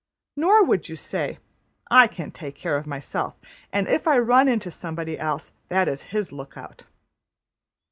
'' Nor would you say: ``I can take care of myself, and if I run into somebody else that is his look out.''